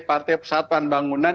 partai persatuan bangunan